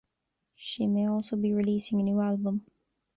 She may also be releasing a new album.